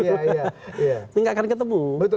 ini nggak akan ketemu